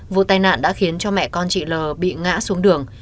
vụ tai nạn đã khiến cho mẹ con chị l bị ngã xuống đường